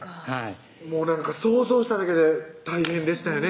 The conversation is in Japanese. もうなんか想像しただけで大変でしたよね